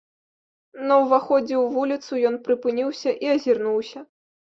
На ўваходзе ў вуліцу ён прыпыніўся і азірнуўся.